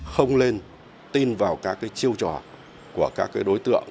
không lên tin vào các chiêu trò của các đối tượng